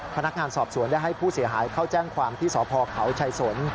พนักงานสอบสวนได้ให้ผู้เสียหายเข้าแจ้งความที่สพเขาชัยสน